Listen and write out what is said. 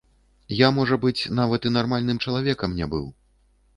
Я можа быць, нават і нармальным чалавекам не быў.